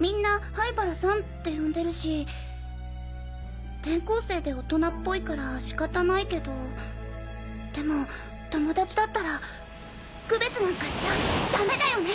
みんな灰原さんって呼んでるし転校生で大人っぽいから仕方ないけどでも友達だったら区別なんかしちゃダメだよね！